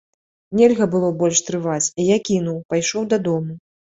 Нельга было больш трываць, і я кінуў, пайшоў дадому.